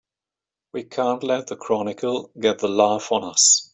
We can't let the Chronicle get the laugh on us!